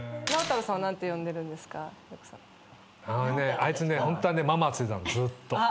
あいつねホントはねママっつってんだずっと。